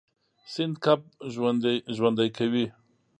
سیند کب ژوندی کوي.